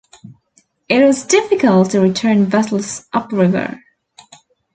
It was difficult to return vessels upriver.